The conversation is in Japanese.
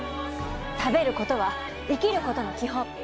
食べることは生きることの基本！